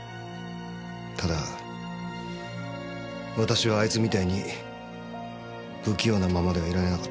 ただ私はあいつみたいに不器用なままではいられなかった。